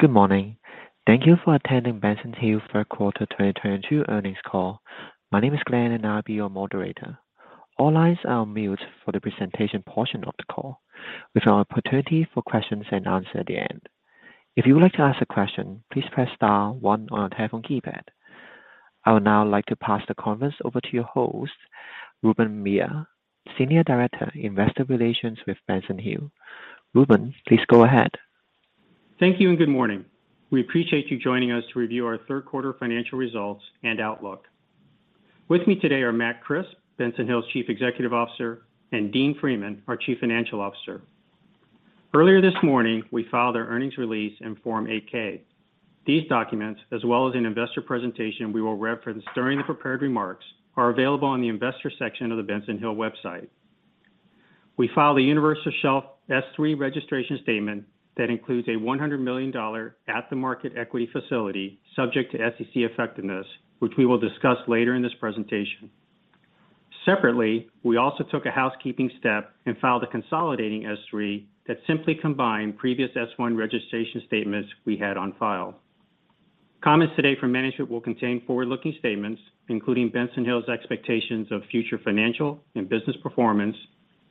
Good morning. Thank you for attending Benson Hill third quarter 2022 earnings call. My name is Glenn, and I'll be your moderator. All lines are on mute for the presentation portion of the call. We'll have an opportunity for questions and answer at the end. If you would like to ask a question, please press star one on your telephone keypad. I would now like to pass the conference over to your host, Ruben Mella, Senior Director, Investor Relations with Benson Hill. Ruben, please go ahead. Thank you and good morning. We appreciate you joining us to review our third quarter financial results and outlook. With me today are Matt Crisp, Benson Hill's Chief Executive Officer, and Dean Freeman, our Chief Financial Officer. Earlier this morning, we filed our earnings release in Form 8-K. These documents, as well as an investor presentation we will reference during the prepared remarks, are available on the investor section of the Benson Hill website. We filed a universal shelf S-3 registration statement that includes a $100 million at-the-market equity facility subject to SEC effectiveness, which we will discuss later in this presentation. Separately, we also took a housekeeping step and filed a consolidating S-3 that simply combined previous S-1 registration statements we had on file. Comments today from management will contain forward-looking statements, including Benson Hill's expectations of future financial and business performance,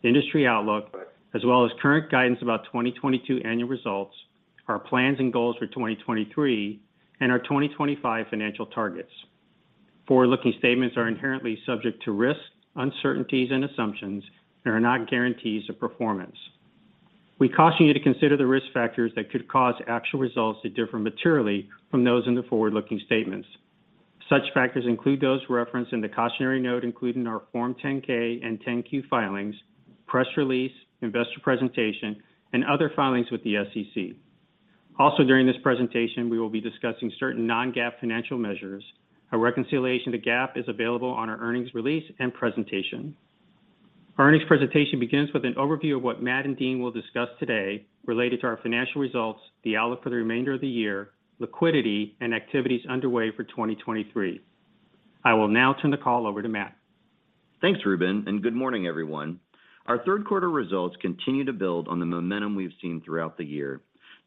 industry outlook, as well as current guidance about 2022 annual results, our plans and goals for 2023, and our 2025 financial targets. Forward-looking statements are inherently subject to risks, uncertainties, and assumptions and are not guarantees of performance. We caution you to consider the risk factors that could cause actual results to differ materially from those in the forward-looking statements. Such factors include those referenced in the cautionary note included in our Form 10-K and 10-Q filings, press release, investor presentation, and other filings with the SEC. Also during this presentation, we will be discussing certain non-GAAP financial measures. A reconciliation to GAAP is available on our earnings release and presentation. Our earnings presentation begins with an overview of what Matt and Dean will discuss today related to our financial results, the outlook for the remainder of the year, liquidity, and activities underway for 2023. I will now turn the call over to Matt. Thanks, Ruben, and good morning, everyone. Our third quarter results continue to build on the momentum we've seen throughout the year,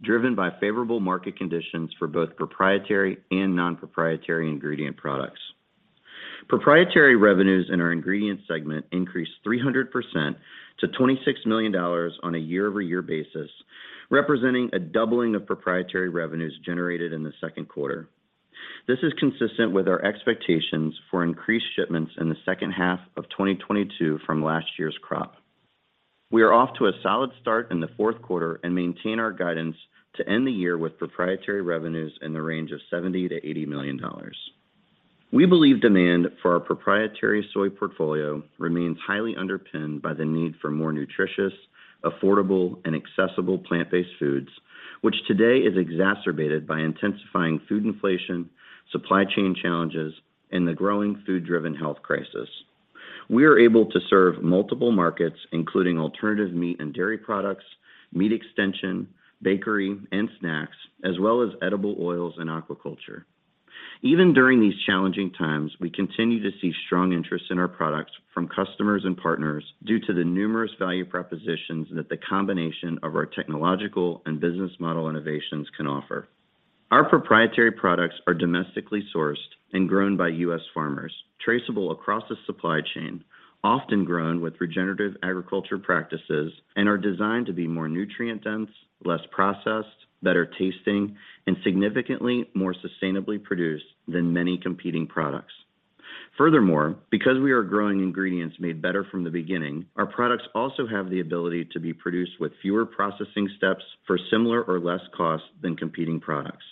driven by favorable market conditions for both proprietary and non-proprietary ingredient products. Proprietary revenues in our ingredients segment increased 300% to $26 million on a year-over-year basis, representing a doubling of proprietary revenues generated in the second quarter. This is consistent with our expectations for increased shipments in the second half of 2022 from last year's crop. We are off to a solid start in the fourth quarter and maintain our guidance to end the year with proprietary revenues in the range of $70 million-$80 million. We believe demand for our proprietary soy portfolio remains highly underpinned by the need for more nutritious, affordable, and accessible plant-based foods, which today is exacerbated by intensifying food inflation, supply chain challenges, and the growing food-driven health crisis. We are able to serve multiple markets, including alternative meat and dairy products, meat extension, bakery, and snacks, as well as edible oils and aquaculture. Even during these challenging times, we continue to see strong interest in our products from customers and partners due to the numerous value propositions that the combination of our technological and business model innovations can offer. Our proprietary products are domestically sourced and grown by U.S. farmers, traceable across the supply chain, often grown with regenerative agriculture practices and are designed to be more nutrient-dense, less processed, better tasting, and significantly more sustainably produced than many competing products. Furthermore, because we are growing ingredients made better from the beginning, our products also have the ability to be produced with fewer processing steps for similar or less cost than competing products.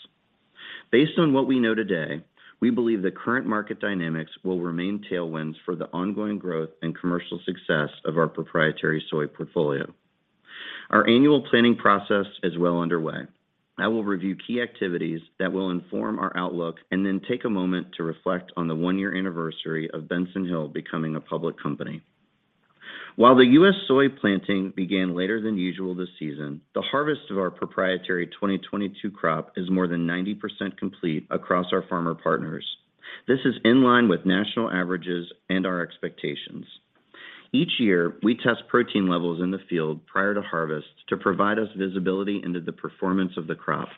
Based on what we know today, we believe the current market dynamics will remain tailwinds for the ongoing growth and commercial success of our proprietary soy portfolio. Our annual planning process is well underway. I will review key activities that will inform our outlook and then take a moment to reflect on the one-year anniversary of Benson Hill becoming a public company. While the U.S. soy planting began later than usual this season, the harvest of our proprietary 2022 crop is more than 90% complete across our farmer partners. This is in line with national averages and our expectations. Each year, we test protein levels in the field prior to harvest to provide us visibility into the performance of the crop.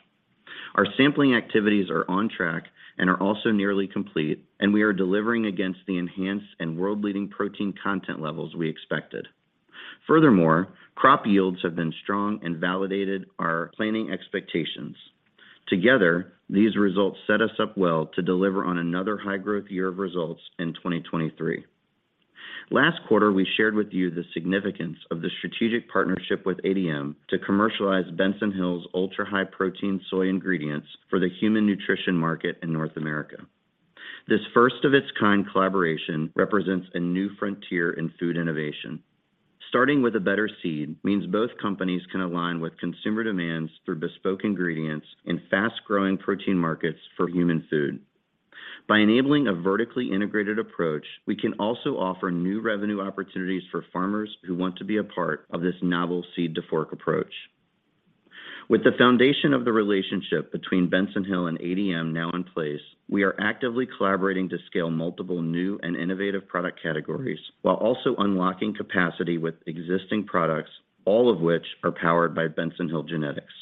Our sampling activities are on track and are also nearly complete, and we are delivering against the enhanced and world-leading protein content levels we expected. Furthermore, crop yields have been strong and validated our planning expectations. Together, these results set us up well to deliver on another high-growth year of results in 2023. Last quarter, we shared with you the significance of the strategic partnership with ADM to commercialize Benson Hill's ultra-high protein soy ingredients for the human nutrition market in North America. This first of its kind collaboration represents a new frontier in food innovation. Starting with a better seed means both companies can align with consumer demands through bespoke ingredients in fast-growing protein markets for human food. By enabling a vertically integrated approach, we can also offer new revenue opportunities for farmers who want to be a part of this novel seed to fork approach. With the foundation of the relationship between Benson Hill and ADM now in place, we are actively collaborating to scale multiple new and innovative product categories while also unlocking capacity with existing products, all of which are powered by Benson Hill genetics.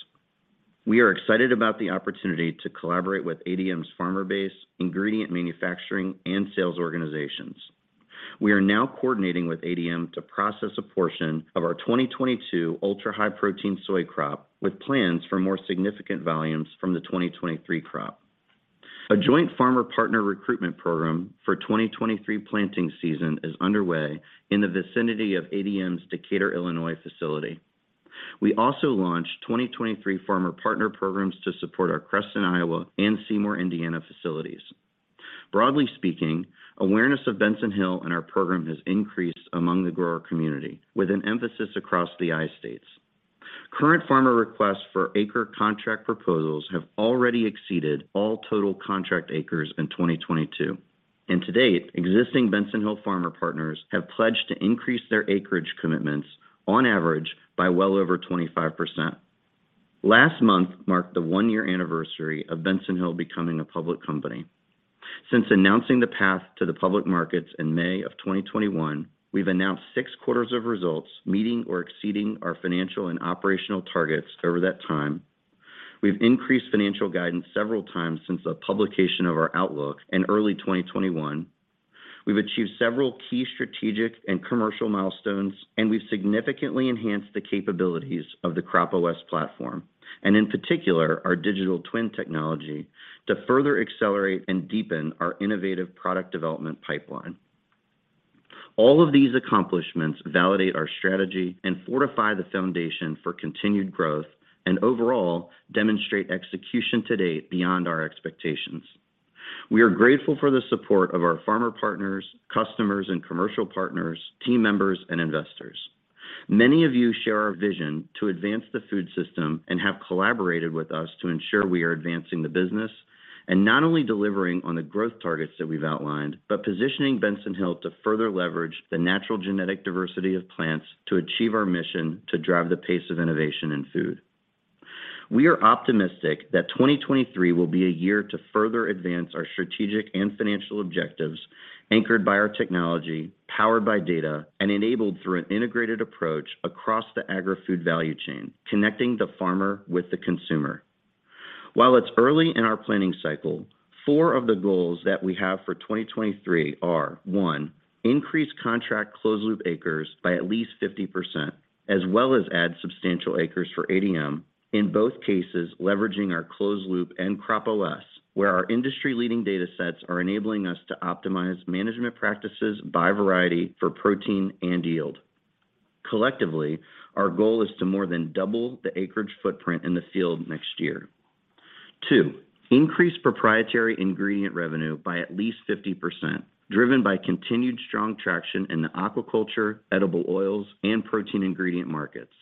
We are excited about the opportunity to collaborate with ADM's farmer base, ingredient manufacturing, and sales organizations. We are now coordinating with ADM to process a portion of our 2022 ultra-high protein soy crop with plans for more significant volumes from the 2023 crop. A joint farmer partner recruitment program for 2023 planting season is underway in the vicinity of ADM's Decatur, Illinois, facility. We also launched 2023 farmer partner programs to support our Creston, Iowa, and Seymour, Indiana, facilities. Broadly speaking, awareness of Benson Hill and our program has increased among the grower community with an emphasis across the I states. Current farmer requests for acre contract proposals have already exceeded all total contract acres in 2022. To date, existing Benson Hill farmer partners have pledged to increase their acreage commitments on average by well over 25%. Last month marked the one-year anniversary of Benson Hill becoming a public company. Since announcing the path to the public markets in May of 2021, we've announced six quarters of results, meeting or exceeding our financial and operational targets over that time. We've increased financial guidance several times since the publication of our outlook in early 2021. We've achieved several key strategic and commercial milestones, and we've significantly enhanced the capabilities of the CropOS platform, and in particular, our digital twin technology to further accelerate and deepen our innovative product development pipeline. All of these accomplishments validate our strategy and fortify the foundation for continued growth and overall demonstrate execution to date beyond our expectations. We are grateful for the support of our farmer partners, customers and commercial partners, team members, and investors. Many of you share our vision to advance the food system and have collaborated with us to ensure we are advancing the business and not only delivering on the growth targets that we've outlined, but positioning Benson Hill to further leverage the natural genetic diversity of plants to achieve our mission to drive the pace of innovation in food. We are optimistic that 2023 will be a year to further advance our strategic and financial objectives anchored by our technology, powered by data, and enabled through an integrated approach across the agri-food value chain, connecting the farmer with the consumer. While it's early in our planning cycle, four of the goals that we have for 2023 are, one, increase contract closed-loop acres by at least 50%, as well as add substantial acres for ADM, in both cases leveraging our closed-loop and CropOS, where our industry-leading data sets are enabling us to optimize management practices by variety for protein and yield. Collectively, our goal is to more than double the acreage footprint in the field next year. Two, increase proprietary ingredient revenue by at least 50%, driven by continued strong traction in the aquaculture, edible oils, and protein ingredient markets.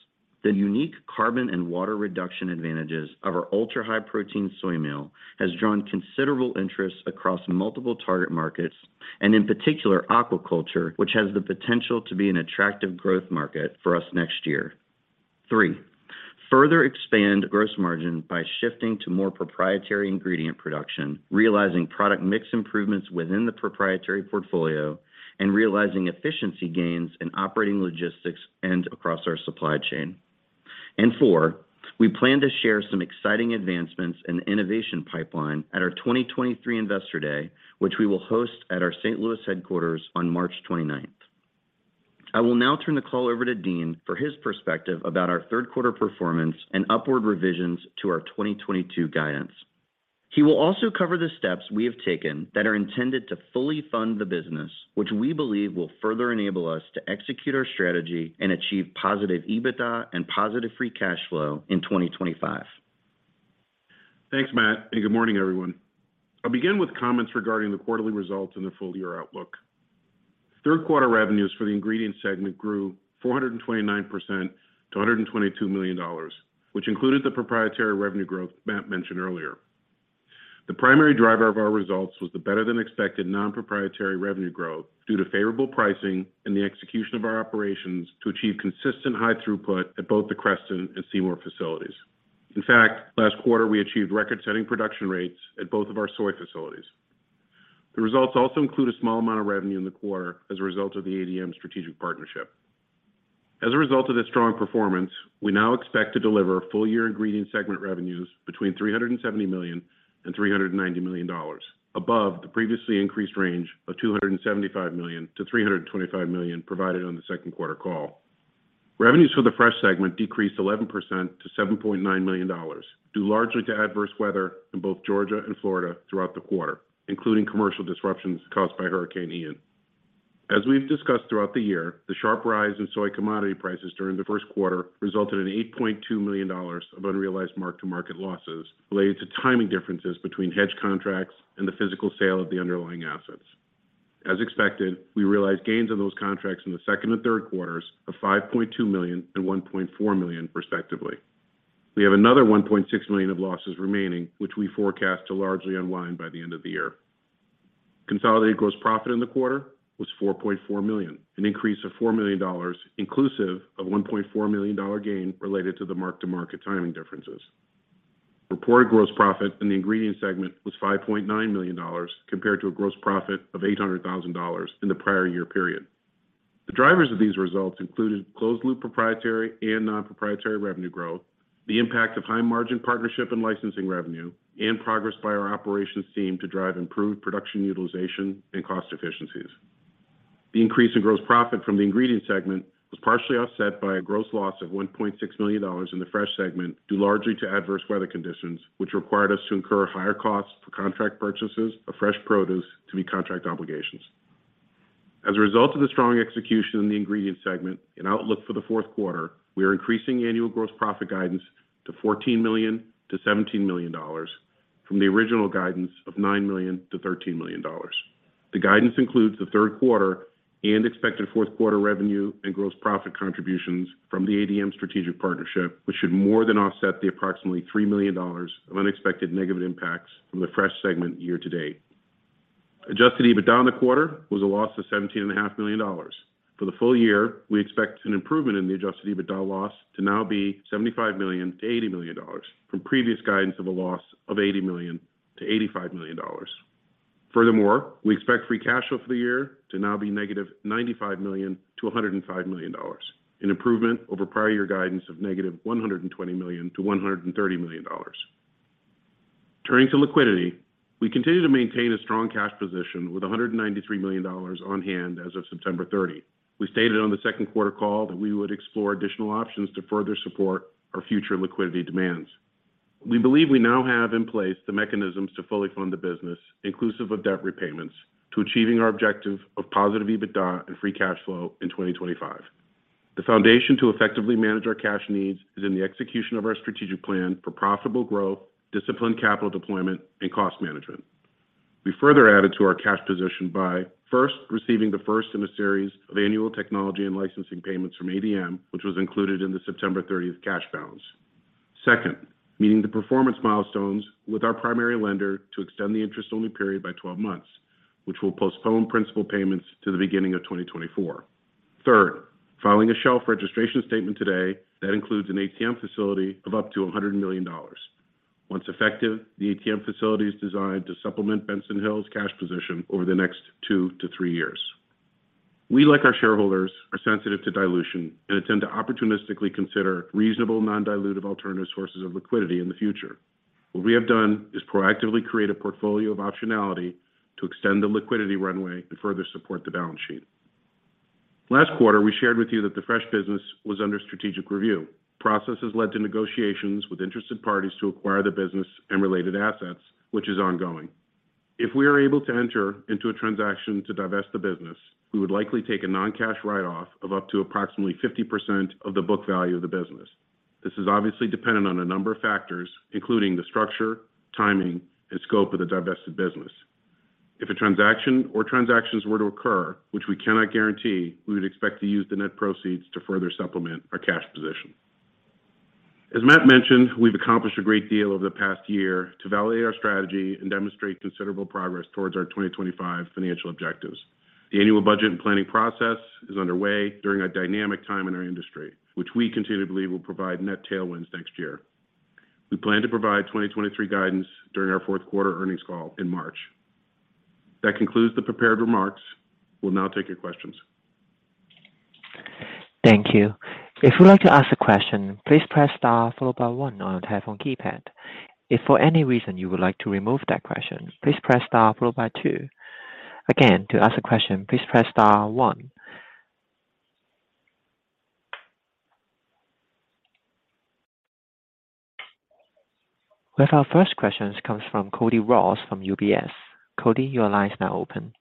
The unique carbon and water reduction advantages of our ultra-high protein soy meal has drawn considerable interest across multiple target markets and, in particular, aquaculture, which has the potential to be an attractive growth market for us next year. Three, further expand gross margin by shifting to more proprietary ingredient production, realizing product mix improvements within the proprietary portfolio, and realizing efficiency gains in operating logistics and across our supply chain. Four, we plan to share some exciting advancements in the innovation pipeline at our 2023 Investor Day, which we will host at our St. Louis headquarters on March 29th. I will now turn the call over to Dean for his perspective about our third quarter performance and upward revisions to our 2022 guidance. He will also cover the steps we have taken that are intended to fully fund the business, which we believe will further enable us to execute our strategy and achieve positive EBITDA and positive free cash flow in 2025. Thanks, Matt, and good morning, everyone. I'll begin with comments regarding the quarterly results and the full-year outlook. Third quarter revenues for the ingredients segment grew 429% to $122 million, which included the proprietary revenue growth Matt mentioned earlier. The primary driver of our results was the better-than-expected non-proprietary revenue growth due to favorable pricing and the execution of our operations to achieve consistent high throughput at both the Creston and Seymour facilities. In fact, last quarter, we achieved record-setting production rates at both of our soy facilities. The results also include a small amount of revenue in the quarter as a result of the ADM strategic partnership. As a result of this strong performance, we now expect to deliver full-year ingredient segment revenues between $370 million and $390 million above the previously increased range of $275 million-$325 million provided on the second quarter call. Revenues for the fresh segment decreased 11% to $7.9 million, due largely to adverse weather in both Georgia and Florida throughout the quarter, including commercial disruptions caused by Hurricane Ian. As we've discussed throughout the year, the sharp rise in soy commodity prices during the first quarter resulted in $8.2 million of unrealized mark-to-market losses related to timing differences between hedge contracts and the physical sale of the underlying assets. As expected, we realized gains on those contracts in the second and third quarters of $5.2 million and $1.4 million respectively. We have another $1.6 million of losses remaining, which we forecast to largely unwind by the end of the year. Consolidated gross profit in the quarter was $4.4 million, an increase of $4 million inclusive of $1.4 million gain related to the mark-to-market timing differences. Reported gross profit in the ingredient segment was $5.9 million compared to a gross profit of $800,000 in the prior year period. The drivers of these results included closed-loop proprietary and non-proprietary revenue growth, the impact of high margin partnership and licensing revenue, and progress by our operations team to drive improved production utilization and cost efficiencies. The increase in gross profit from the ingredients segment was partially offset by a gross loss of $1.6 million in the fresh segment, due largely to adverse weather conditions, which required us to incur higher costs for contract purchases of fresh produce to meet contract obligations. As a result of the strong execution in the ingredient segment and outlook for the fourth quarter, we are increasing annual gross profit guidance to $14 million-$17 million from the original guidance of $9 million-$13 million. The guidance includes the third quarter and expected fourth quarter revenue and gross profit contributions from the ADM strategic partnership, which should more than offset the approximately $3 million of unexpected negative impacts from the fresh segment year to date. Adjusted EBITDA in the quarter was a loss of $17.5 million. For the full year, we expect an improvement in the adjusted EBITDA loss to now be $75 million-$80 million from previous guidance of a loss of $80 million-$85 million. Furthermore, we expect free cash flow for the year to now be -$95 million to -$105 million, an improvement over prior year guidance of -$120 million to -$130 million. Turning to liquidity, we continue to maintain a strong cash position with $193 million on hand as of September 30. We stated on the second quarter call that we would explore additional options to further support our future liquidity demands. We believe we now have in place the mechanisms to fully fund the business, inclusive of debt repayments, to achieving our objective of positive EBITDA and free cash flow in 2025. The foundation to effectively manage our cash needs is in the execution of our strategic plan for profitable growth, disciplined capital deployment, and cost management. We further added to our cash position by, first, receiving the first in a series of annual technology and licensing payments from ADM, which was included in the September 30 cash balance. Second, meeting the performance milestones with our primary lender to extend the interest-only period by 12 months, which will postpone principal payments to the beginning of 2024. Third, filing a shelf registration statement today that includes an ATM facility of up to $100 million. Once effective, the ATM facility is designed to supplement Benson Hill's cash position over the next two to three years. We, like our shareholders, are sensitive to dilution and intend to opportunistically consider reasonable non-dilutive alternative sources of liquidity in the future. What we have done is proactively create a portfolio of optionality to extend the liquidity runway to further support the balance sheet. Last quarter, we shared with you that the fresh business was under strategic review. Processes led to negotiations with interested parties to acquire the business and related assets, which is ongoing. If we are able to enter into a transaction to divest the business, we would likely take a non-cash write-off of up to approximately 50% of the book value of the business. This is obviously dependent on a number of factors, including the structure, timing, and scope of the divested business. If a transaction or transactions were to occur, which we cannot guarantee, we would expect to use the net proceeds to further supplement our cash position. As Matt mentioned, we've accomplished a great deal over the past year to validate our strategy and demonstrate considerable progress towards our 2025 financial objectives. The annual budget and planning process is underway during a dynamic time in our industry, which we continue to believe will provide net tailwinds next year. We plan to provide 2023 guidance during our fourth quarter earnings call in March. That concludes the prepared remarks. We'll now take your questions. Thank you. If you'd like to ask a question, please press star followed by one on your telephone keypad. If for any reason you would like to remove that question, please press star followed by two. Again, to ask a question, please press star one. We have our first question comes from Cody Ross from UBS. Cody, your line is now open.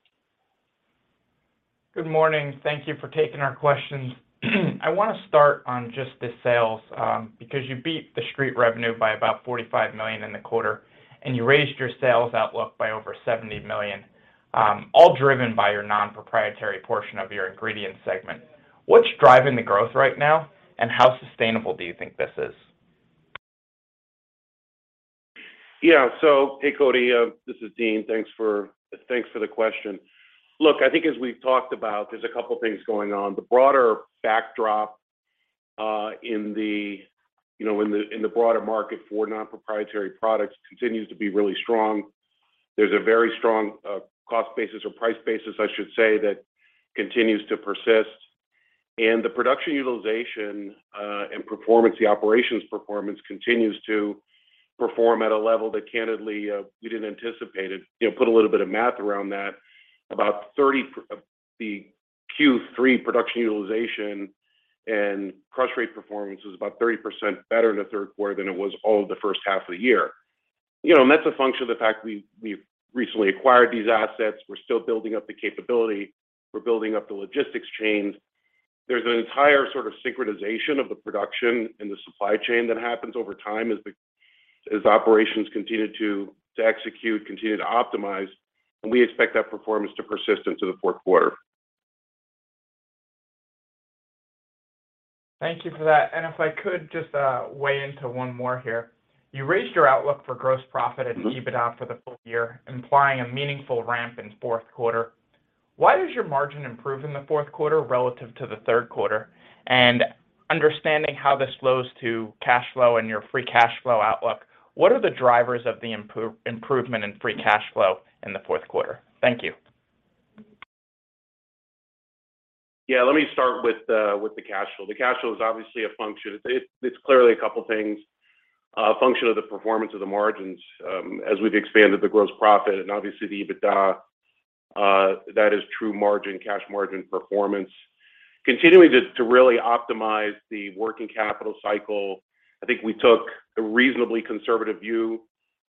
Good morning. Thank you for taking our questions. I wanna start on just the sales, because you beat the street revenue by about $45 million in the quarter, and you raised your sales outlook by over $70 million, all driven by your non-proprietary portion of your ingredient segment. What's driving the growth right now, and how sustainable do you think this is? Yeah. Hey, Cody, this is Dean. Thanks for the question. Look, I think as we've talked about, there's a couple things going on. The broader backdrop, you know, in the broader market for non-proprietary products continues to be really strong. There's a very strong cost basis or price basis, I should say, that continues to persist. The production utilization and performance, the operations performance continues to perform at a level that candidly we didn't anticipate it. You know, put a little bit of math around that, the Q3 production utilization and crush rate performance was about 30% better in the third quarter than it was all the first half of the year. You know, and that's a function of the fact we've recently acquired these assets. We're still building up the capability. We're building up the logistics chain. There's an entire sort of synchronization of the production and the supply chain that happens over time as operations continue to execute, continue to optimize, and we expect that performance to persist into the fourth quarter. Thank you for that. If I could just weigh in on one more here. You raised your outlook for gross profit and EBITDA for the full year, implying a meaningful ramp in the fourth quarter. Why is your margin improving in the fourth quarter relative to the third quarter? Understanding how this flows to cash flow and your free cash flow outlook, what are the drivers of the improvement in free cash flow in the fourth quarter? Thank you. Yeah. Let me start with the cash flow. The cash flow is obviously a function. It's clearly a couple things, function of the performance of the margins, as we've expanded the gross profit and obviously the EBITDA, that is true margin, cash margin performance. Continuing to really optimize the working capital cycle, I think we took a reasonably conservative view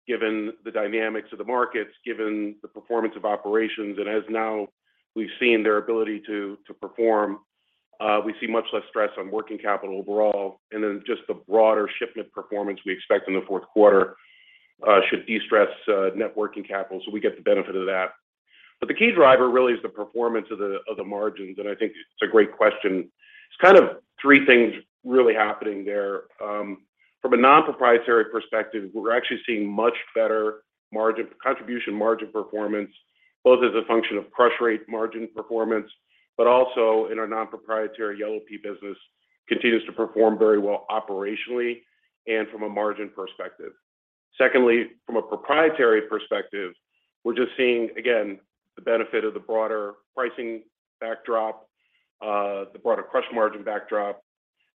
given the dynamics of the markets, given the performance of operations. As now we've seen their ability to perform, we see much less stress on working capital overall. Then just the broader shipment performance we expect in the fourth quarter should de-stress net working capital, so we get the benefit of that. The key driver really is the performance of the margins, and I think it's a great question. It's kind of three things really happening there. From a non-proprietary perspective, we're actually seeing much better margin, contribution margin performance, both as a function of crush rate margin performance, but also in our non-proprietary yellow pea business continues to perform very well operationally and from a margin perspective. Secondly, from a proprietary perspective, we're just seeing, again, the benefit of the broader pricing backdrop, the broader crush margin backdrop,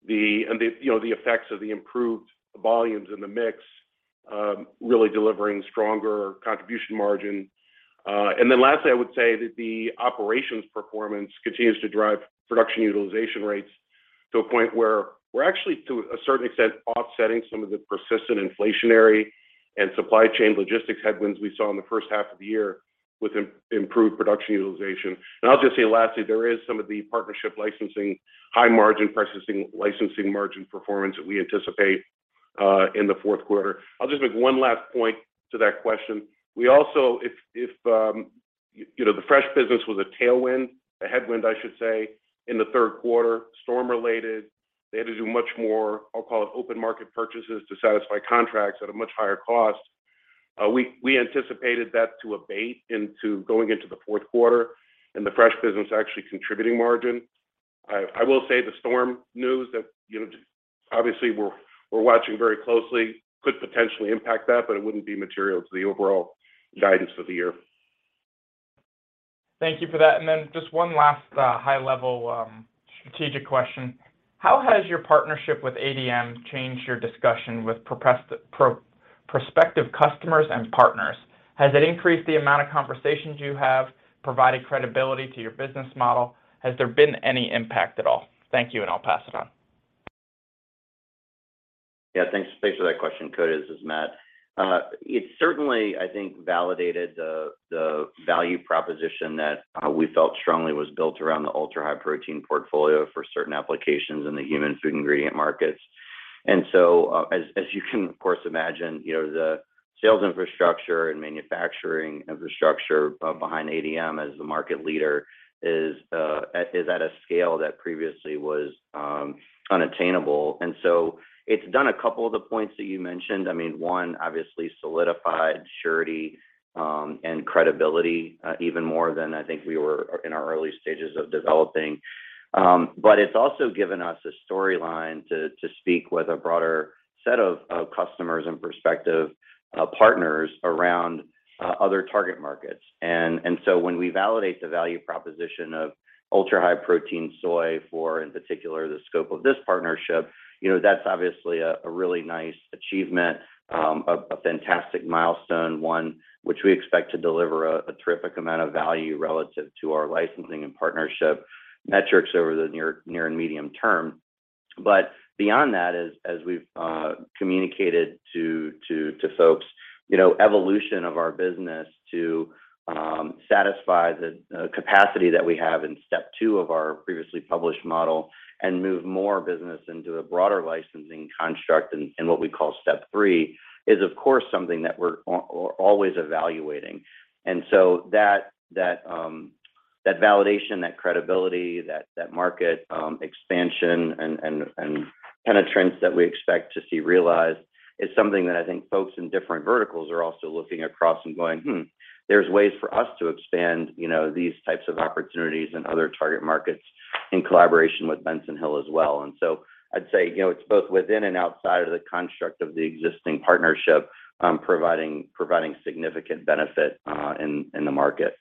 and the, you know, the effects of the improved volumes in the mix, really delivering stronger contribution margin. Lastly, I would say that the operations performance continues to drive production utilization rates to a point where we're actually, to a certain extent, offsetting some of the persistent inflationary and supply chain logistics headwinds we saw in the first half of the year with improved production utilization. I'll just say lastly, there is some of the partnership licensing, high margin pricing, licensing margin performance that we anticipate in the fourth quarter. I'll just make one last point to that question. We also, if you know, the fresh business was a tailwind, a headwind, I should say, in the third quarter, storm-related, they had to do much more, I'll call it open market purchases to satisfy contracts at a much higher cost. We anticipated that to abate going into the fourth quarter and the fresh business actually contributing margin. I will say the storm news that, you know, obviously we're watching very closely could potentially impact that, but it wouldn't be material to the overall guidance for the year. Thank you for that. Just one last, high level, strategic question. How has your partnership with ADM changed your discussion with prospective customers and partners? Has it increased the amount of conversations you have, provided credibility to your business model? Has there been any impact at all? Thank you, and I'll pass it on. Yeah. Thanks for that question, Cody. This is Matt. It certainly, I think, validated the value proposition that we felt strongly was built around the ultra-high protein portfolio for certain applications in the human food ingredient markets. As you can of course imagine, you know, the sales infrastructure and manufacturing infrastructure behind ADM as the market leader is at a scale that previously was unattainable. It's done a couple of the points that you mentioned. I mean, one, obviously solidified surety and credibility even more than I think we were in our early stages of developing. It's also given us a storyline to speak with a broader set of customers and prospective partners around other target markets. When we validate the value proposition of ultra-high protein soy for, in particular, the scope of this partnership, you know, that's obviously a really nice achievement, a fantastic milestone, one which we expect to deliver a terrific amount of value relative to our licensing and partnership metrics over the near and medium term. Beyond that, as we've communicated to folks, you know, evolution of our business to satisfy the capacity that we have in step two of our previously published model and move more business into a broader licensing construct in what we call step three is, of course, something that we're always evaluating. That validation, that credibility, that market expansion and penetrance that we expect to see realized is something that I think folks in different verticals are also looking across and going, "Hmm, there's ways for us to expand, you know, these types of opportunities in other target markets in collaboration with Benson Hill as well." I'd say, you know, it's both within and outside of the construct of the existing partnership, providing significant benefit in the market.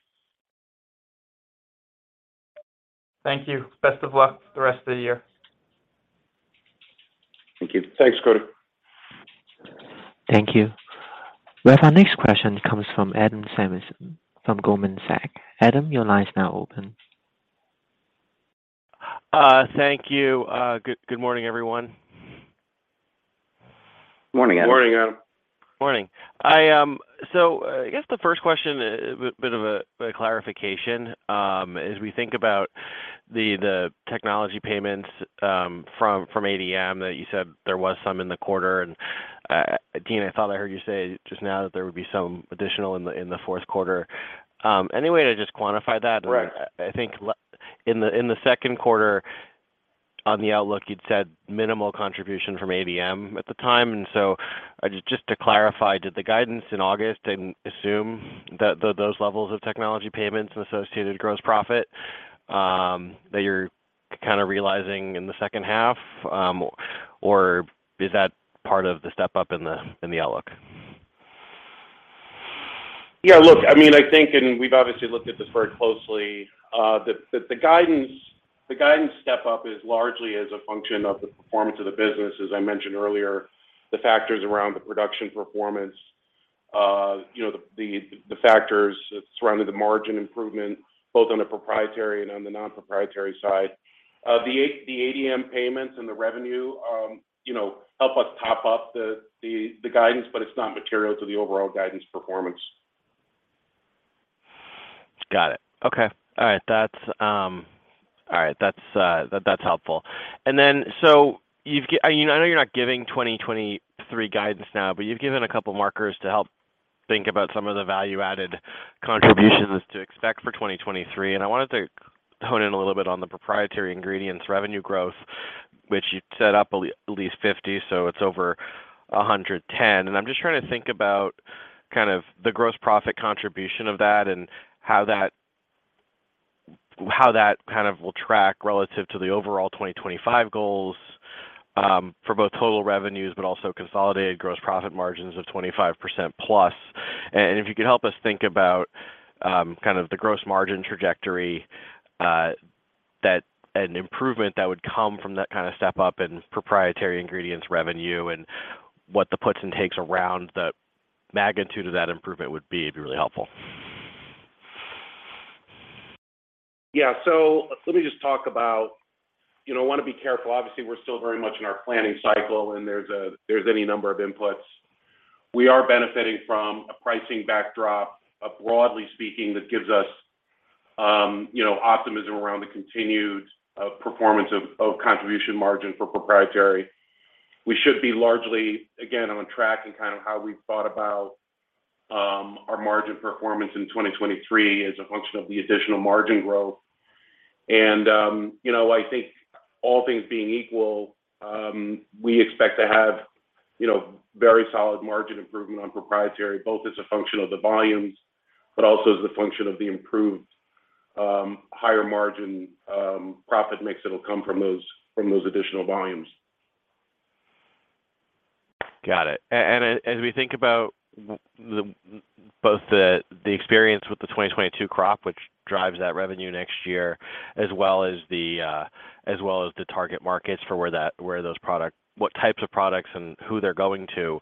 Thank you. Best of luck the rest of the year. Thank you. Thanks, Cody. Thank you. With our next question comes from Adam Samuelson from Goldman Sachs. Adam, your line is now open. Thank you. Good morning, everyone. Morning, Adam. Morning, Adam. Morning. I guess the first question, a bit of a clarification. As we think about the technology payments from ADM that you said there was some in the quarter. Dean, I thought I heard you say just now that there would be some additional in the fourth quarter. Any way to just quantify that? Right. I think in the second quarter on the outlook, you'd said minimal contribution from ADM at the time. Just to clarify, did the guidance in August assume that those levels of technology payments and associated gross profit that you're kind of realizing in the second half, or is that part of the step up in the outlook? Yeah. Look, I mean, I think, and we've obviously looked at this very closely, that the guidance step up is largely as a function of the performance of the business. As I mentioned earlier, the factors around the production performance, the factors surrounding the margin improvement, both on the proprietary and on the non-proprietary side. The ADM payments and the revenue help us top up the guidance, but it's not material to the overall guidance performance. Got it. Okay. All right. That's helpful. I know you're not giving 2023 guidance now, but you've given a couple markers to help think about some of the value-added contributions to expect for 2023. I wanted to hone in a little bit on the proprietary ingredients revenue growth, which you set up at least 50%. It's over 110%. I'm just trying to think about kind of the gross profit contribution of that and how that kind of will track relative to the overall 2025 goals, for both total revenues, but also consolidated gross profit margins of 25% plus. If you could help us think about, kind of the gross margin trajectory, an improvement that would come from that kind of step up in proprietary ingredients revenue and what the puts and takes around the magnitude of that improvement would be, it'd be really helpful. Yeah. Let me just talk about, you know, I wanna be careful. Obviously, we're still very much in our planning cycle, and there's any number of inputs. We are benefiting from a pricing backdrop, broadly speaking, that gives us, you know, optimism around the continued performance of contribution margin for proprietary. We should be largely, again, on track and kind of how we've thought about our margin performance in 2023 as a function of the additional margin growth. I think all things being equal, we expect to have, you know, very solid margin improvement on proprietary, both as a function of the volumes, but also as a function of the improved higher margin profit mix that'll come from those additional volumes. Got it. As we think about both the experience with the 2022 crop, which drives that revenue next year, as well as the target markets for what types of products and who they're going to,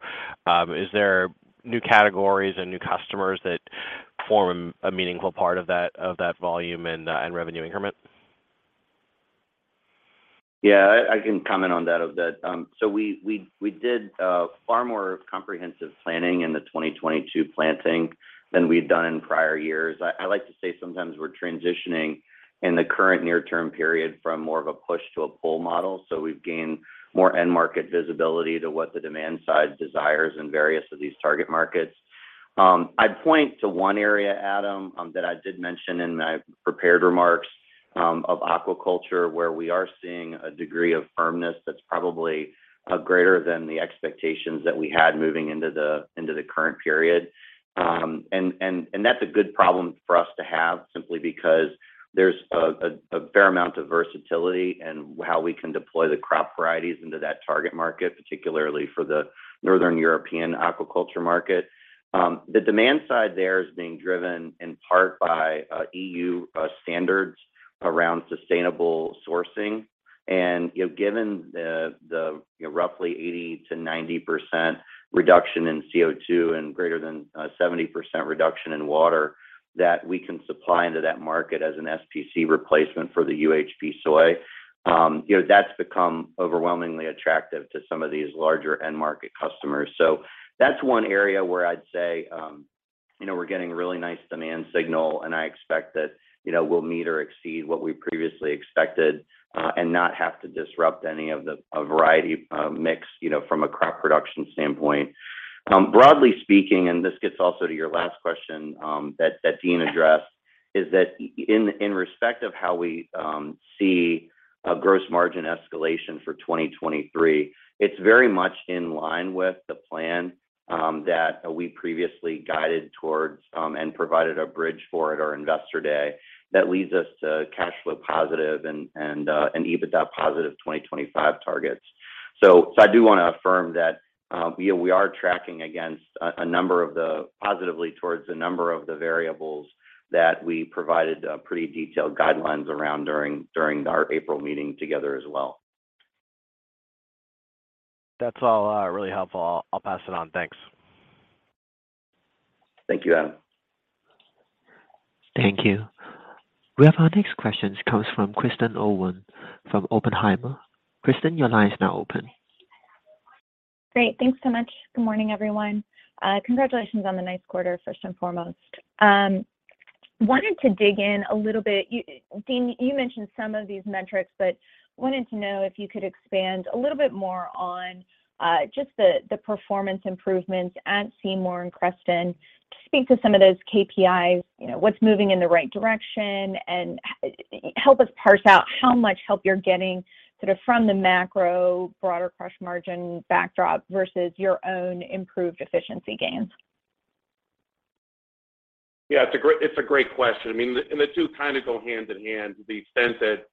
is there new categories and new customers that form a meaningful part of that volume and revenue increment? Yeah. I can comment on that a bit. We did far more comprehensive planning in the 2022 planting than we'd done in prior years. I like to say sometimes we're transitioning in the current near-term period from more of a push to a pull model. We've gained more end market visibility to what the demand side desires in various of these target markets. I'd point to one area, Adam, that I did mention in my prepared remarks, of aquaculture, where we are seeing a degree of firmness that's probably greater than the expectations that we had moving into the current period. That's a good problem for us to have simply because there's a fair amount of versatility in how we can deploy the crop varieties into that target market, particularly for the Northern European aquaculture market. The demand side there is being driven in part by E.U. standards around sustainable sourcing. You know, given the you know, roughly 80%-90% reduction in CO2 and greater than 70% reduction in water that we can supply into that market as an SPC replacement for the UHP soy, you know, that's become overwhelmingly attractive to some of these larger end market customers. That's one area where I'd say, you know, we're getting really nice demand signal, and I expect that, you know, we'll meet or exceed what we previously expected, and not have to disrupt any of the, variety, mix, you know, from a crop production standpoint. Broadly speaking, and this gets also to your last question, that Dean addressed, is that in respect of how we see a gross margin escalation for 2023, it's very much in line with the plan, that we previously guided towards, and provided a bridge for at our investor day that leads us to cash flow positive and an EBITDA positive 2025 targets.I do wanna affirm that, you know, we are tracking positively towards a number of the variables that we provided pretty detailed guidelines around during our April meeting together as well. That's all, really helpful. I'll pass it on. Thanks. Thank you, Adam. Thank you. We have our next question comes from Kristen Owen from Oppenheimer. Kristen, your line is now open. Great. Thanks so much. Good morning, everyone. Congratulations on the nice quarter, first and foremost. Wanted to dig in a little bit. You, Dean, you mentioned some of these metrics, but wanted to know if you could expand a little bit more on just the performance improvements at Seymour and Creston. Speak to some of those KPIs, you know, what's moving in the right direction, and help us parse out how much help you're getting sort of from the macro broader crush margin backdrop versus your own improved efficiency gains. Yeah. It's a great question. I mean, the two kind of go hand in hand to the extent that,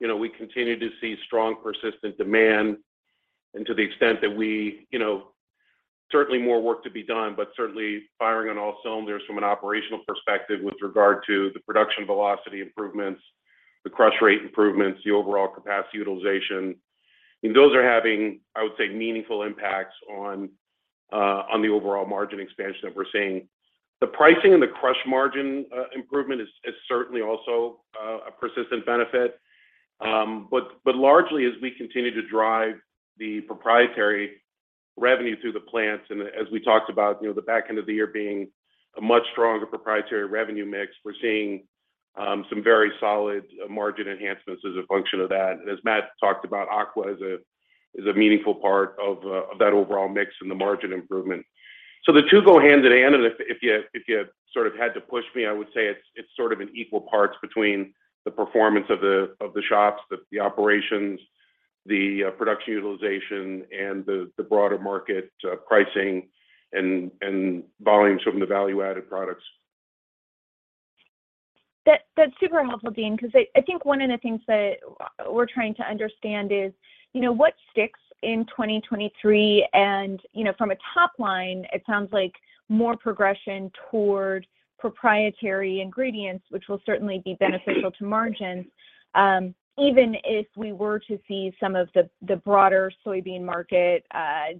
you know, we continue to see strong, persistent demand. To the extent that we, you know, certainly more work to be done, but certainly firing on all cylinders from an operational perspective with regard to the production velocity improvements, the crush rate improvements, the overall capacity utilization. I mean, those are having, I would say, meaningful impacts on the overall margin expansion that we're seeing. The pricing and the crush margin improvement is certainly also a persistent benefit. Largely as we continue to drive the proprietary revenue through the plants, and as we talked about, you know, the back end of the year being a much stronger proprietary revenue mix, we're seeing some very solid margin enhancements as a function of that. As Matt talked about, aquaculture is a meaningful part of that overall mix and the margin improvement. The two go hand in hand, and if you sort of had to push me, I would say it's sort of in equal parts between the performance of the shops, the operations, the production utilization, and the broader market pricing and volumes from the value-added products. That's super helpful, Dean, because I think one of the things that we're trying to understand is, you know, what sticks in 2023. You know, from a top line, it sounds like more progression toward proprietary ingredients, which will certainly be beneficial to margins. Even if we were to see some of the broader soybean market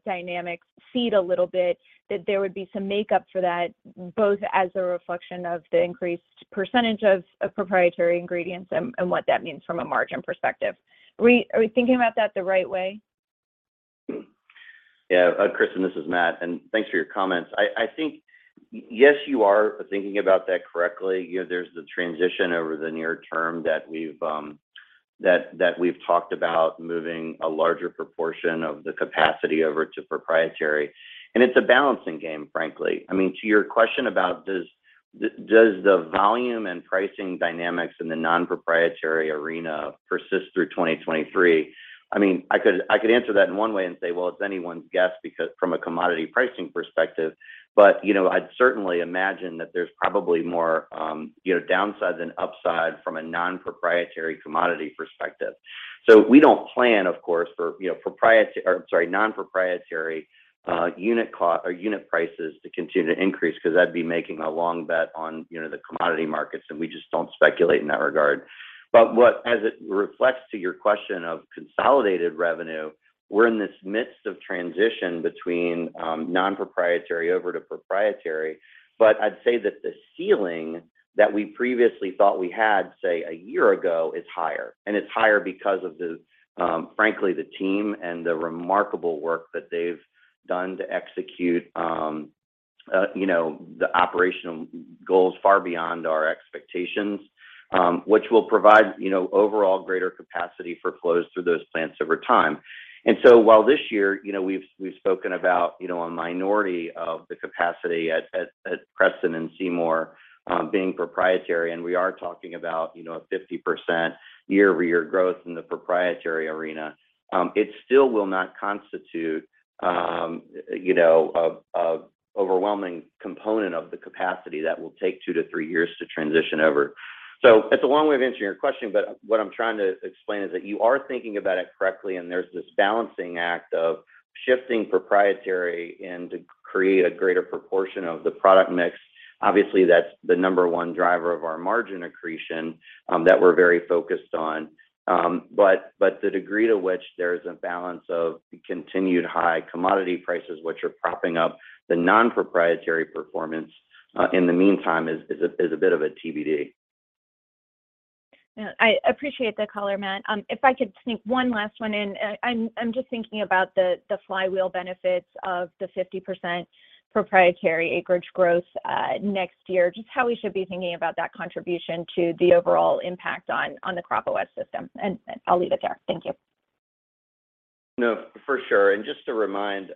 dynamics cede a little bit, that there would be some makeup for that, both as a reflection of the increased percentage of proprietary ingredients and what that means from a margin perspective. Are we thinking about that the right way? Yeah. Kristen, this is Matt, and thanks for your comments. I think, yes, you are thinking about that correctly. You know, there's the transition over the near term that we've talked about moving a larger proportion of the capacity over to proprietary, and it's a balancing game, frankly. I mean, to your question about does the volume and pricing dynamics in the non-proprietary arena persist through 2023? I mean, I could answer that in one way and say, "Well, it's anyone's guess," because from a commodity pricing perspective. You know, I'd certainly imagine that there's probably more, you know, downside than upside from a non-proprietary commodity perspective. We don't plan, of course, for, you know, non-proprietary unit cost or unit prices to continue to increase because that'd be making a long bet on, you know, the commodity markets, and we just don't speculate in that regard. What, as it relates to your question of consolidated revenue, we're in the midst of transition between non-proprietary over to proprietary. I'd say that the ceiling that we previously thought we had, say, a year ago is higher, and it's higher because of, frankly, the team and the remarkable work that they've done to execute, you know, the operational goals far beyond our expectations, which will provide, you know, overall greater capacity for flows through those plants over time. While this year, you know, we've spoken about, you know, a minority of the capacity at Creston and Seymour being proprietary, and we are talking about, you know, a 50% year-over-year growth in the proprietary arena, it still will not constitute, you know, a overwhelming component of the capacity that will take two to three years to transition over. It's a long way of answering your question, but what I'm trying to explain is that you are thinking about it correctly and there's this balancing act of shifting proprietary and to create a greater proportion of the product mix. Obviously, that's the number one driver of our margin accretion that we're very focused on. The degree to which there's a balance of continued high commodity prices, which are propping up the non-proprietary performance, in the meantime is a bit of a TBD. Yeah. I appreciate the color, Matt. If I could sneak one last one in. I'm just thinking about the flywheel benefits of the 50% proprietary acreage growth next year. Just how we should be thinking about that contribution to the overall impact on the CropOS system. I'll leave it there. Thank you. No, for sure. Just to remind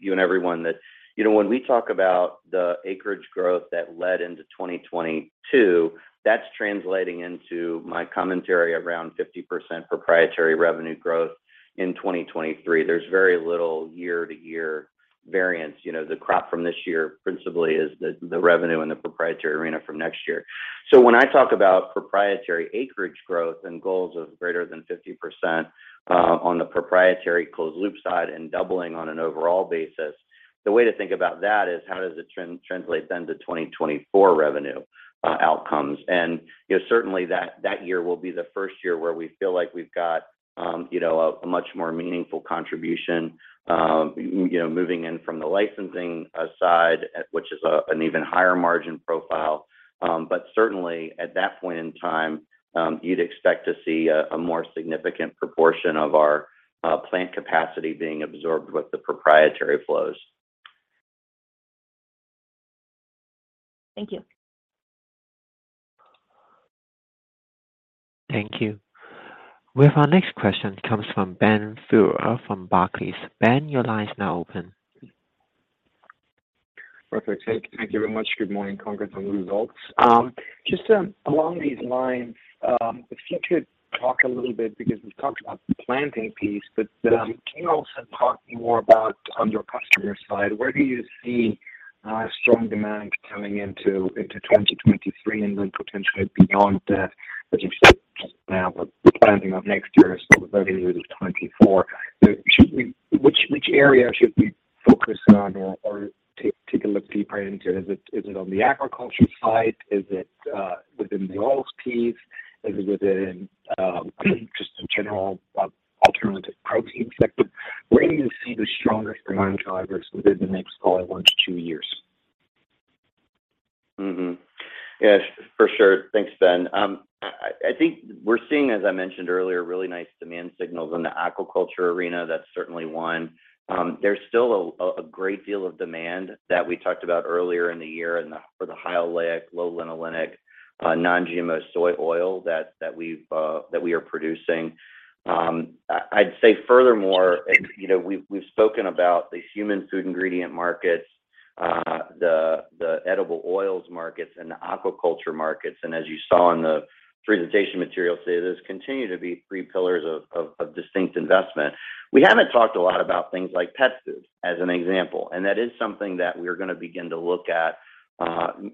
you and everyone that, you know, when we talk about the acreage growth that led into 2022, that's translating into my commentary around 50% proprietary revenue growth in 2023. There's very little year-to-year variance. You know, the crop from this year principally is the revenue in the proprietary arena from next year. When I talk about proprietary acreage growth and goals of greater than 50%, on the proprietary closed loop side and doubling on an overall basis, the way to think about that is how does it translate then to 2024 revenue outcomes? You know, certainly that year will be the first year where we feel like we've got, you know, a much more meaningful contribution, you know, moving in from the licensing side, which is an even higher margin profile. Certainly at that point in time, you'd expect to see a more significant proportion of our plant capacity being absorbed with the proprietary flows. Thank you. Thank you. We have our next question comes from Ben Theurer from Barclays. Ben, your line is now open. Perfect. Thank you very much. Good morning. Congrats on the results. Just along these lines, if you could talk a little bit because we've talked about the planting piece, but can you also talk more about on your customer side, where do you see strong demand coming into 2023 and then potentially beyond that, as you said just now, the planting of next year, so the very end of 2024? Which area should we focus on or take a look deeper into? Is it on the agriculture side? Is it within the oils piece? Is it within just the general alternative protein sector? Where do you see the strongest demand drivers within the next call it one to two years? Yes, for sure. Thanks, Ben. I think we're seeing, as I mentioned earlier, really nice demand signals in the aquaculture arena. That's certainly one. There's still a great deal of demand that we talked about earlier in the year in the—for the high oleic, low linolenic, non-GMO soy oil that we've that we are producing. I'd say furthermore, you know, we've spoken about the human food ingredient markets, the edible oils markets and the aquaculture markets. As you saw in the presentation materials today, those continue to be three pillars of distinct investment. We haven't talked a lot about things like pet food as an example, and that is something that we're gonna begin to look at,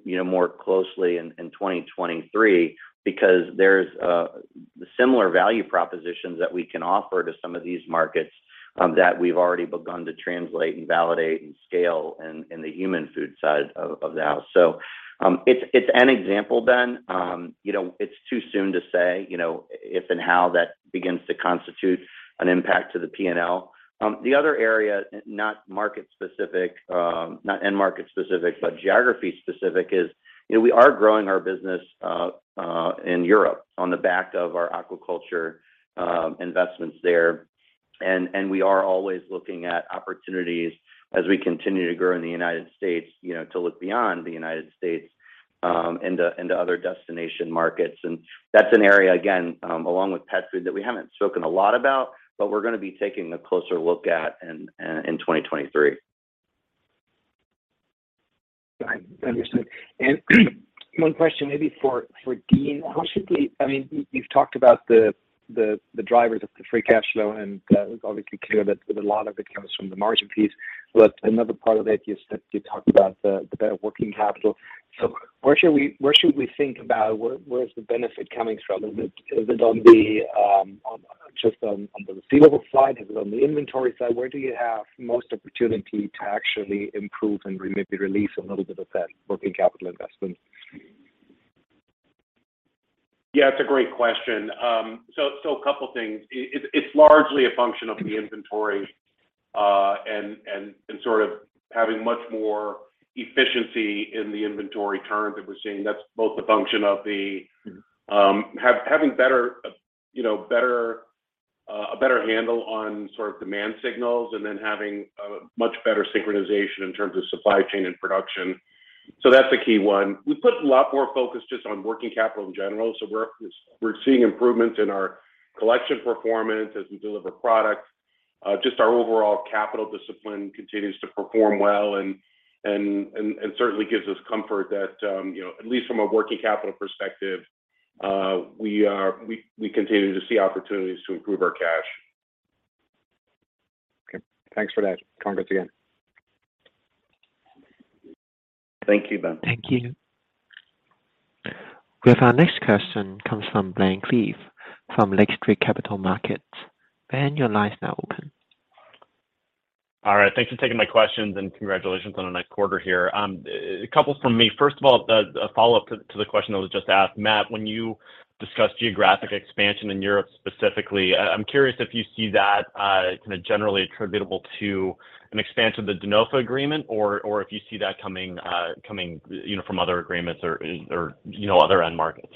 you know, more closely in 2023 because there's similar value propositions that we can offer to some of these markets, that we've already begun to translate and validate and scale in the human food side of the house. It's an example, Ben. You know, it's too soon to say, you know, if and how that begins to constitute an impact to the P&L. The other area, not market specific, not end market specific, but geography specific is, you know, we are growing our business in Europe on the back of our aquaculture investments there. We are always looking at opportunities as we continue to grow in the United States, you know, to look beyond the United States, into other destination markets. That's an area, again, along with pet food that we haven't spoken a lot about, but we're gonna be taking a closer look at in 2023. Understood. One question maybe for Dean. How should we I mean, you've talked about the drivers of the free cash flow, and it's obviously clear that a lot of it comes from the margin piece. Another part of it is that you talked about the better working capital. Where should we think about where the benefit is coming from? Is it on just the receivable side? Is it on the inventory side? Where do you have most opportunity to actually improve and maybe release a little bit of that working capital investment? Yeah, it's a great question. A couple things. It's largely a function of the inventory and sort of having much more efficiency in the inventory turn that we're seeing. That's both a function of the- Having better, you know, a better handle on sort of demand signals and then having a much better synchronization in terms of supply chain and production. That's a key one. We put a lot more focus just on working capital in general. We're seeing improvements in our collection performance as we deliver products. Just our overall capital discipline continues to perform well and certainly gives us comfort that, you know, at least from a working capital perspective, we continue to see opportunities to improve our cash. Okay. Thanks for that. Congrats again. Thank you, Ben. Thank you. We have our next question comes from Ben Klieve from Lake Street Capital Markets. Ben, your line is now open. All right. Thanks for taking my questions, and congratulations on a nice quarter here. A couple from me. First of all, a follow-up to the question that was just asked. Matt, when you discussed geographic expansion in Europe specifically, I'm curious if you see that kind of generally attributable to an expansion of the Denofa agreement or if you see that coming, you know, from other agreements or, you know, other end markets.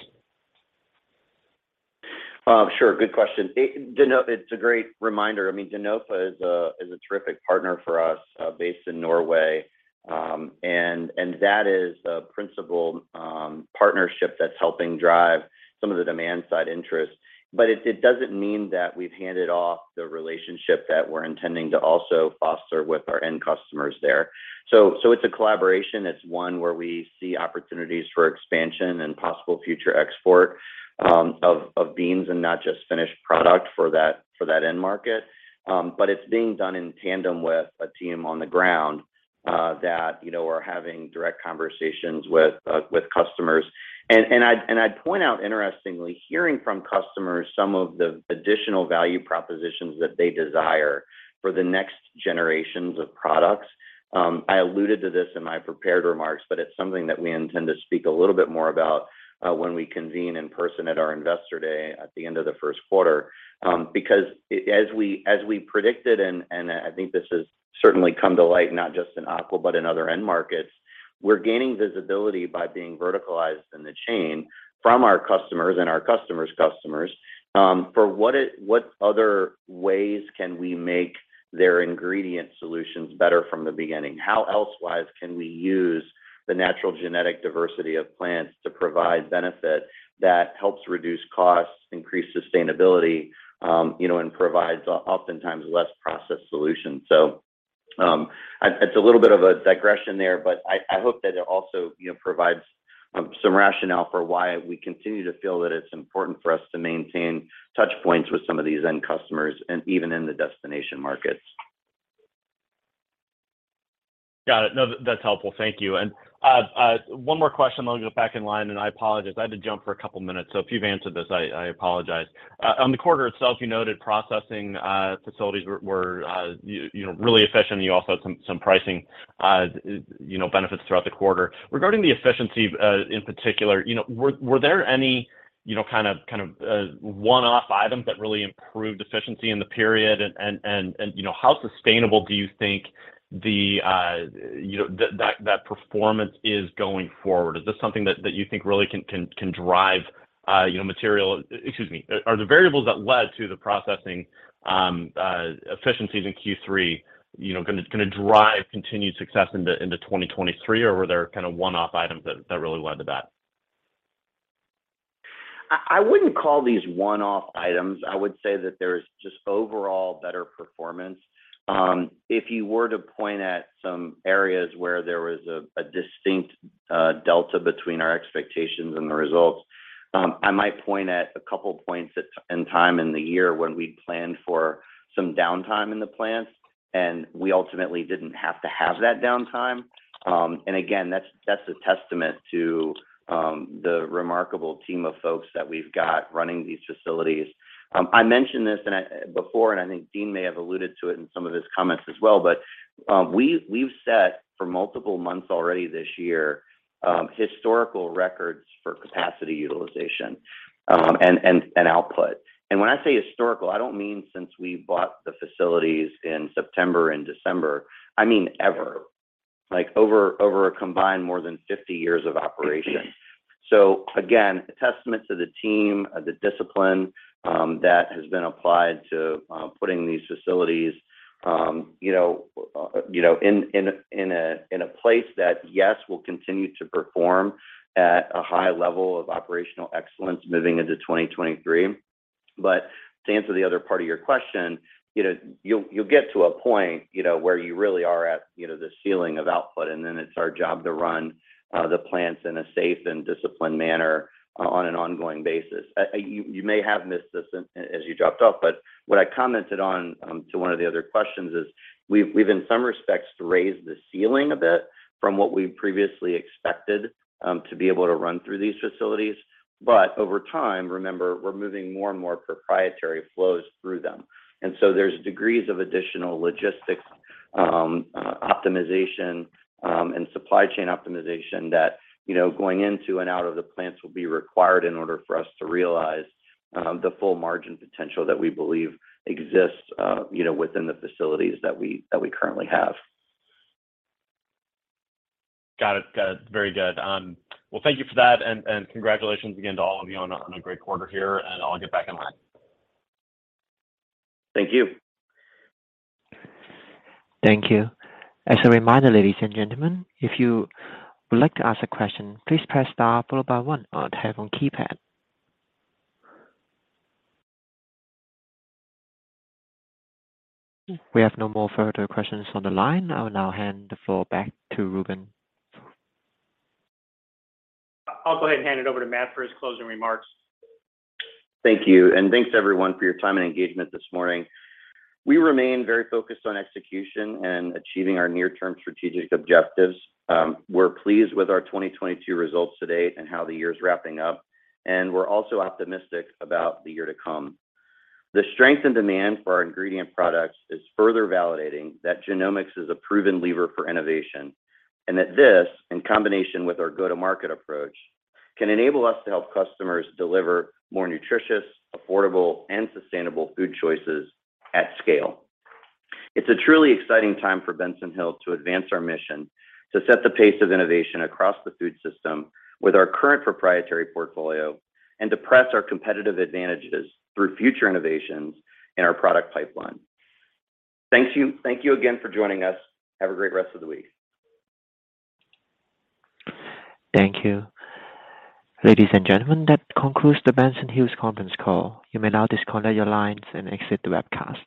Sure. Good question. Denofa, it's a great reminder. I mean, Denofa is a terrific partner for us, based in Norway. That is a principal partnership that's helping drive some of the demand side interest. It doesn't mean that we've handed off the relationship that we're intending to also foster with our end customers there. It's a collaboration. It's one where we see opportunities for expansion and possible future export of beans and not just finished product for that end market. It's being done in tandem with a team on the ground that you know are having direct conversations with customers. I'd point out interestingly, hearing from customers some of the additional value propositions that they desire for the next generations of products. I alluded to this in my prepared remarks, but it's something that we intend to speak a little bit more about when we convene in person at our Investor Day at the end of the first quarter. Because as we predicted, I think this has certainly come to light not just in aquaculture, but in other end markets, we're gaining visibility by being verticalized in the chain from our customers and our customers' customers for what other ways can we make their ingredient solutions better from the beginning? How elsewise can we use the natural genetic diversity of plants to provide benefit that helps reduce costs, increase sustainability, you know, and provides oftentimes less processed solutions? It's a little bit of a digression there, but I hope that it also, you know, provides some rationale for why we continue to feel that it's important for us to maintain touch points with some of these end customers and even in the destination markets. Got it. No, that's helpful. Thank you. One more question, then I'll get back in line. I apologize, I had to jump for a couple minutes, so if you've answered this, I apologize. On the quarter itself, you noted processing facilities were, you know, really efficient. You also had some pricing, you know, benefits throughout the quarter. Regarding the efficiency, in particular, you know, were there any, you know, kind of one-off items that really improved efficiency in the period? You know, how sustainable do you think that performance is going forward? Is this something that you think really can drive, you know, material. Excuse me. Are the variables that led to the processing efficiencies in Q3, you know, gonna drive continued success into 2023? Or were there kind of one-off items that really led to that? I wouldn't call these one-off items. I would say that there's just overall better performance. If you were to point at some areas where there was a distinct delta between our expectations and the results, I might point at a couple points in time in the year when we'd planned for some downtime in the plants, and we ultimately didn't have to have that downtime. Again, that's a testament to the remarkable team of folks that we've got running these facilities. I mentioned this before, and I think Dean may have alluded to it in some of his comments as well, but we've set for multiple months already this year historical records for capacity utilization and output. When I say historical, I don't mean since we bought the facilities in September and December. I mean ever, over a combined more than 50 years of operation. Again, a testament to the team, the discipline that has been applied to putting these facilities you know in a place that, yes, will continue to perform at a high level of operational excellence moving into 2023. To answer the other part of your question, you know, you'll get to a point, you know, where you really are at, you know, this ceiling of output, and then it's our job to run the plants in a safe and disciplined manner on an ongoing basis. You may have missed this as you dropped off, but what I commented on to one of the other questions is we've in some respects raised the ceiling a bit from what we previously expected to be able to run through these facilities. Over time, remember, we're moving more and more proprietary flows through them. There's degrees of additional logistics optimization and supply chain optimization that, you know, going into and out of the plants will be required in order for us to realize the full margin potential that we believe exists, you know, within the facilities that we currently have. Got it. Very good. Well, thank you for that and congratulations again to all of you on a great quarter here, and I'll get back in line. Thank you. Thank you. As a reminder, ladies and gentlemen, if you would like to ask a question, please press star followed by one on telephone keypad. We have no more further questions on the line. I will now hand the floor back to Ruben. I'll go ahead and hand it over to Matt for his closing remarks. Thank you. Thanks everyone for your time and engagement this morning. We remain very focused on execution and achieving our near-term strategic objectives. We're pleased with our 2022 results to date and how the year's wrapping up, and we're also optimistic about the year to come. The strength and demand for our ingredient products is further validating that genomics is a proven lever for innovation, and that this, in combination with our go-to-market approach, can enable us to help customers deliver more nutritious, affordable, and sustainable food choices at scale. It's a truly exciting time for Benson Hill to advance our mission to set the pace of innovation across the food system with our current proprietary portfolio and to press our competitive advantages through future innovations in our product pipeline. Thank you. Thank you again for joining us. Have a great rest of the week. Thank you. Ladies and gentlemen, that concludes the Benson Hill's conference call. You may now disconnect your lines and exit the webcast.